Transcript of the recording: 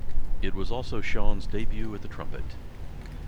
It was also Sean's debut at the trumpet.